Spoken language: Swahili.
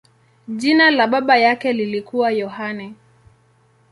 Jina la baba yake lilikuwa Yohane.